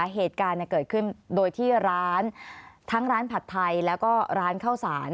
เหตุการณ์เกิดขึ้นโดยที่ร้านทั้งร้านผัดไทยแล้วก็ร้านข้าวสาร